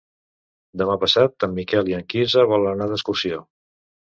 Demà passat en Miquel i en Quirze volen anar d'excursió.